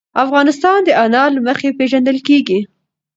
افغانستان د انار له مخې پېژندل کېږي.